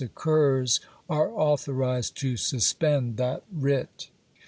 ' occurs, are authorized to suspend that writ.